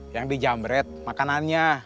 yang dijamret makanannya